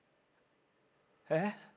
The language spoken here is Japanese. えっ？